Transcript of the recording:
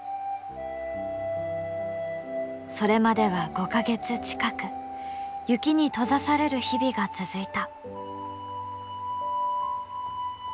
それまでは５か月近く雪に閉ざされる日々が続いた。